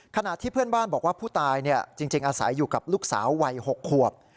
ขณะที่เพื่อนบ้านบอกว่าผู้ตายจริงอาศัยอยู่กับลูกสาววัย๖ขวบ